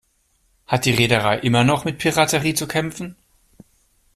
Hat die Reederei immer noch mit Piraterie zu kämpfen?